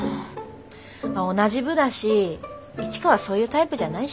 まあ同じ部だし市川そういうタイプじゃないしね。